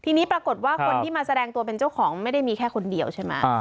ทีนี้ปรากฏว่าคนที่มาแสดงตัวเป็นเจ้าของไม่ได้มีแค่คนเดียวใช่ไหม